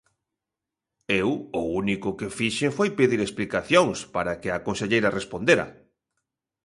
Eu o único que fixen foi pedir explicacións para que a conselleira respondera.